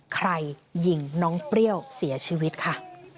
ใครยิงน้องเปรี้ยวเสียชีวิตค่ะ